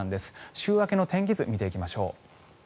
週明けの天気図見ていきましょう。